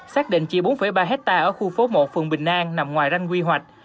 xác định chỉ bốn ba hectare ở khu phố một phường bình an nằm ngoài ranh quy hoạch